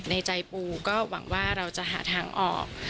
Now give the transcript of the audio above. ในใจปูก็หวังว่าเราจะหาทางออก